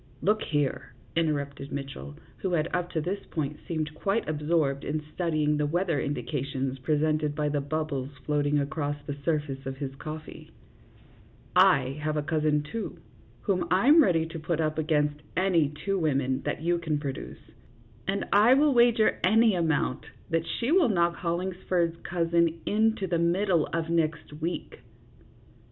63 " Look here," interrupted Mitchell, who had, up to this point, seemed quite absorbed in studying the weather indications presented by the bubbles float ing across the surface of his coffee ;"/ have a cousin, too, whom I 'm ready to put up against any two women that you can produce, and I will wager any amount that she will knock Hollingsford's cousin into the middle of next week."